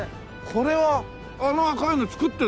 これはあの赤いの造ってる途中？